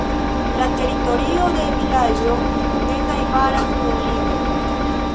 La teritorio de vilaĝo ne najbaras kun limo.